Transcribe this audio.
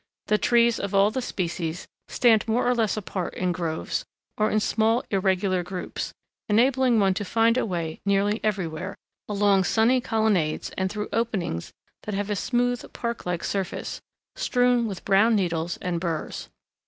The trees of all the species stand more or less apart in groves, or in small, irregular groups, enabling one to find a way nearly everywhere, along sunny colonnades and through openings that have a smooth, park like surface, strewn with brown needles and burs.